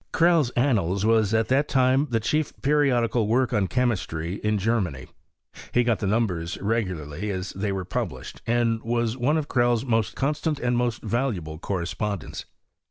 Crell's Annals was at that time the chief periodical work on chemistry in Germany, He got the numbers regularly as tliey were publisbed, and was one of Crell's raoat constant and most valuable con'espon dents.